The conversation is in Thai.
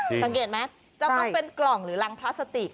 สังเกตไหมจะต้องเป็นกล่องหรือรังพลาสติก